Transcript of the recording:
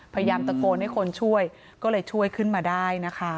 พยายามตะโกนให้คนช่วยก็เลยช่วยขึ้นมาได้นะคะ